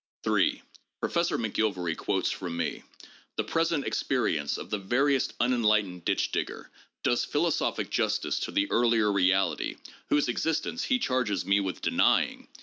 3 . Professor McGilvary quotes from me :' 'The present experience of the veriest unenlightened ditch digger does philosophic justice to the earlier reality [whose existence he charges me with denying